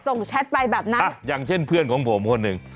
แชทไปแบบนั้นอ่ะอย่างเช่นเพื่อนของผมคนหนึ่ง